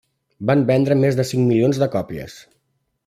Van vendre més de cinc milions de còpies.